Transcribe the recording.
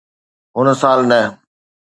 هن سال نه